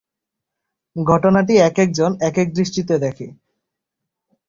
ঘটনাটি একেক জন একেক দৃষ্টিতে দেখে।